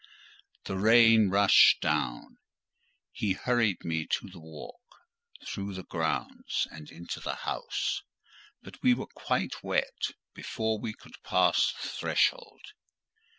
The rain rushed down. He hurried me up the walk, through the grounds, and into the house; but we were quite wet before we could pass the threshold.